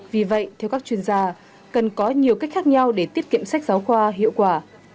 vì vậy theo các chuyên gia cần có nhiều cách khác nhau để tiết kiệm sách giáo khoa hiệu quả